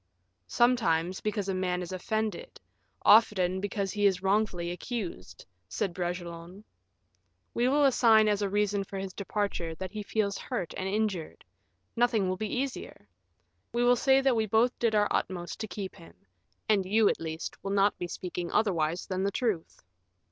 "Sometimes, because a man is offended; often because he is wrongfully accused," said Bragelonne. "We will assign as a reason for his departure, that he feels hurt and injured nothing will be easier; we will say that we both did our utmost to keep him, and you, at least, will not be speaking otherwise than the truth.